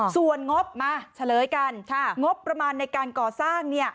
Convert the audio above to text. ส่วนงบมาเฉลยกันงบประมาณในการก่อสร้าง